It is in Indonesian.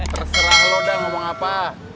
terserah lo udah ngomong apa